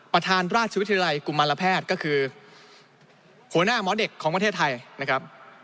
ประธานราชวิทยาลัยกุมารแพทย์ก็คือหัวหน้าหมอเด็กของประเทศไทยนะครับ